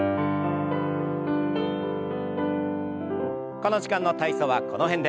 この時間の体操はこの辺で。